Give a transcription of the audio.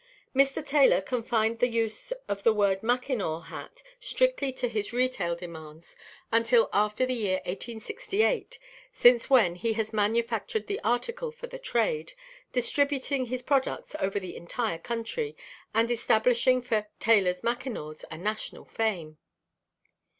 Mr. Taylor confined the use of the "Mackinaw" hat strictly to his retail demands until after the year 1868, since when he has manufactured the article for the trade, distributing his products over the entire country, and establishing for "Taylor's Mackinaws" a national fame.